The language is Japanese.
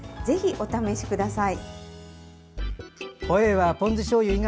お試しください。